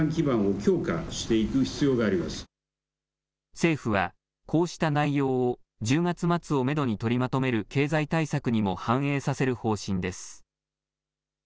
政府はこうした内容を１０月末をめどに取りまとめる経済対策にも反映させる方針です。